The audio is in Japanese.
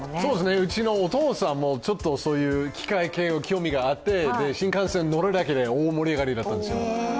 うちのお父さんもそういう機械系、興味があって新幹線に乗るだけで大盛り上がりだったんですよ。